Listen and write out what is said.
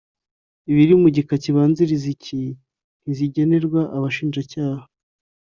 Ibiri mu gika kibanziriza iki ntizigenerwa Abashinjacyaha